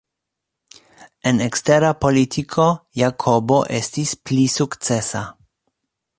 En ekstera politiko, Jakobo estis pli sukcesa.